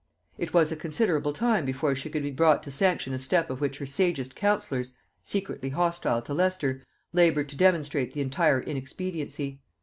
It was a considerable time before she could be brought to sanction a step of which her sagest counsellors, secretly hostile to Leicester, labored to demonstrate the entire inexpediency.